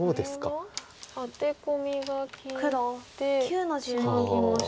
これはアテコミが利いてツナぎました。